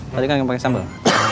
tadi kan yang pake sambel